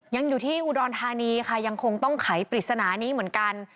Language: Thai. ยังอยู่ที่อุดรธานีค่ะยังคงต้องไขปริศนานี้เหมือนกัน